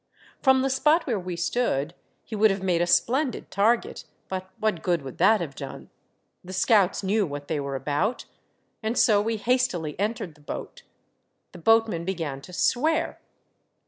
From the spot where we stood he would have made a splendid target, but what good would that have done ? The scouts knew what they were about. And so we hastily entered the boat. The boatman began to swear.